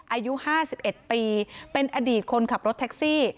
อายุ๕๑ปีเป็นอดีตคนขับรถแท็กซี่